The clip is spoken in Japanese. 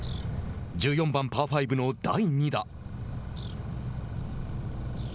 １４番パー５の第２打。